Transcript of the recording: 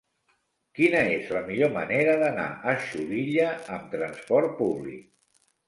Quina és la millor manera d'anar a Xulilla amb transport públic?